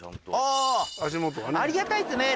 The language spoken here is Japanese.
ありがたいですね